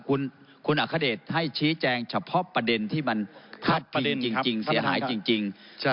คุณคุณอัคเดชให้ชี้แจงเฉพาะประเด็นที่มันพลาดพิงจริงจริงเสียหายจริงจริงใช่ครับ